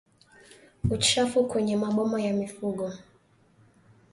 Uchafu kwenye maboma ya mifugo